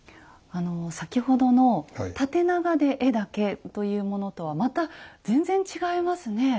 先ほどの縦長で絵だけというものとはまた全然違いますね。